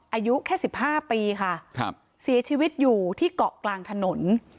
อายุแค่สิบห้าปีค่ะครับเสียชีวิตอยู่ที่เกาะกลางถนน